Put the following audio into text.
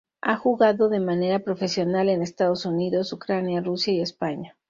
Ha jugado de manera profesional en Estados Unidos, Ucrania, Rusia y España.